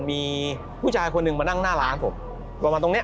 มีผู้ชายคนหนึ่งมานั่งหน้าร้านผมประมาณตรงเนี้ย